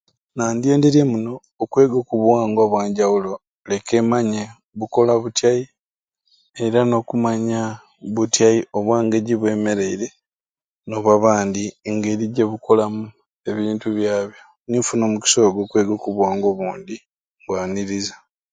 Ekintu kinegalaalyaku ebiseera ebisinga, nimba mpumwiiremu emirimu gyange, nyabaku omu senta tuso tusolaku olweeso, nituzenya ku oludo, okukisaawe nitukubaku omupiira naanimpagiraku emizenyo ejanjawulo